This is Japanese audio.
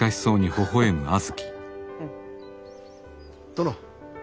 殿。